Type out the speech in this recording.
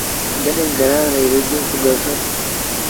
جڏهيݩ گھرآݩ کي ويجھو پُڳس۔